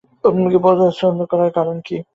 আপনাকে পছন্দ করার কারণ কী?